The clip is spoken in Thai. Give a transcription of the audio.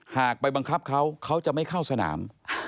ไปบังคับเขาเขาจะไม่เข้าสนาม